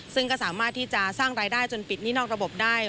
ซึ่งก็สามารถที่จะสร้างรายได้จนปิดหนี้นอกระบบได้